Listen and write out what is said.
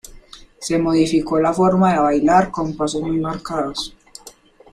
Se modificó la forma de bailar con pasos muy marcados.